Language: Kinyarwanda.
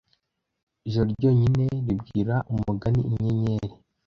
ijoro ryonyine ribwira umugani inyenyeri